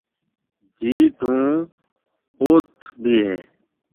جيٿ هُون هون اوٿ ٿَي ڀِي هيَ۔